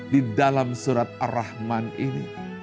di dalam surat ar rahman ini